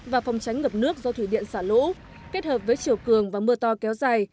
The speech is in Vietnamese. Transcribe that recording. và phòng tránh ngập nước do thủy điện xả lũ kết hợp với chiều cường và mưa to kéo dài